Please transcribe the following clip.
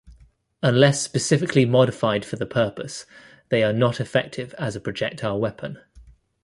Unless specifically modified for the purpose, they are not effective as a projectile weapon.